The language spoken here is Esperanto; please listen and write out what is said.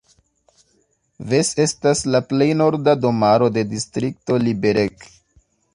Ves estas la plej norda domaro de distrikto Liberec.